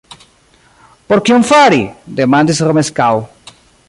Por kion fari? demandis Romeskaŭ.